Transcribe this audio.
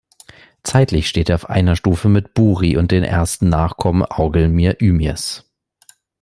Zeitlich steht er auf einer Stufe mit Buri und den ersten Nachkommen Aurgelmir-Ymirs.